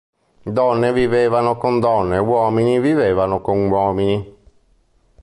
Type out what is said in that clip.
Donne vivevano con donne; uomini vivevano con uomini.